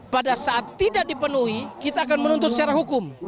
pada saat tidak dipenuhi kita akan menuntut secara hukum